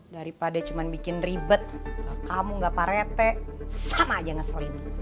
daripada cuma bikin ribet kamu gak parete sama aja ngeselin